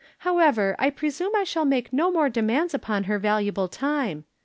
However, I presume I shall make no more demands upon her valuable time.